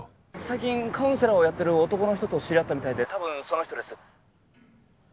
最近カウンセラーをやってる男の人と知り合ったみたいで多分その人です